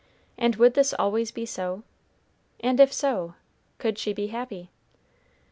and would this always be so? and if so, could she be happy?